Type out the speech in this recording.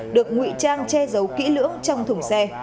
được ngụy trang che giấu kỹ lưỡng trong thùng xe